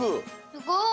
すごい！